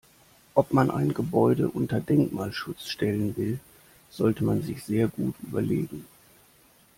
Ob man ein Gebäude unter Denkmalschutz stellen will, sollte man sich sehr gut überlegen.